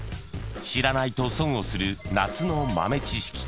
［知らないと損をする夏の豆知識］